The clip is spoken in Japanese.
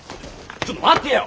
ちょっと待てよ！